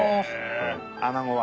アナゴは。